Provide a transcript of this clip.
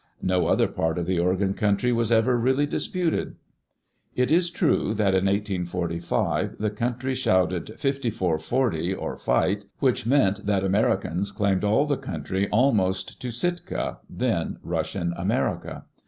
No other part of the Oregon country was ever really disputed. It is true that in 1845 the country shouted "Fifty four forty or fight I" which meant that Americans claimed all the country almost to Sitka, then Russian America.